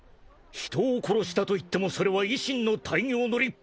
人を殺したといってもそれは維新の大業の立派な一部！